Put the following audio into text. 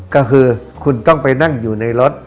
ก็คือคุณต้องไปนั่งอยู่ในรถ